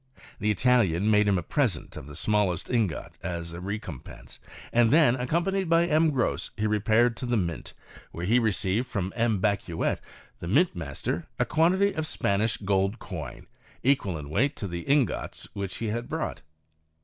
The Italian made him a present of the smallest ingot as a recompence, and then, accompanied by M. Gros, he repaired to the Mint, where he received from M. Bacuet, the mint master, a quantity of Spanish gold coin, equal in weight to the ingots which he had brought.